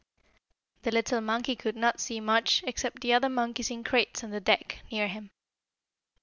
The little monkey could not see much except the other monkeys in crates on the deck near him.